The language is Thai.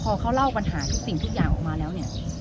พอเขาเล่าปัญหาทุกสิ่งทุกอย่างออกมาแล้วเนี่ย